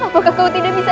apakah kau tidak bisa dia